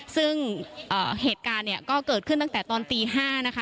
ซึ่งเหตุการณ์เนี่ยก็เกิดขึ้นตั้งแต่ตอนตี๕นะคะ